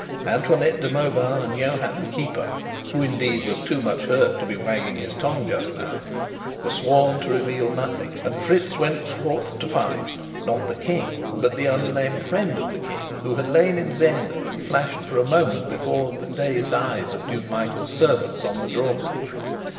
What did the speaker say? Antoinette de Mauban and Johann the keeper (who, indeed, was too much hurt to be wagging his tongue just now) were sworn to reveal nothing; and Fritz went forth to find not the King, but the unnamed friend of the King, who had lain in Zenda and flashed for a moment before the dazed eyes of Duke Michael's servants on the drawbridge.